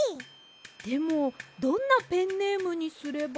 でもどんなペンネームにすれば。